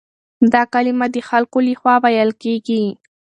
دا کلمه د خلکو له خوا ويل کېږي.